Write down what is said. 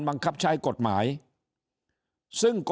ถ้าท่านผู้ชมติดตามข่าวสาร